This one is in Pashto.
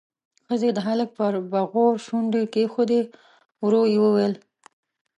ښځې د هلک پر بغور شونډې کېښودې، ورو يې وويل: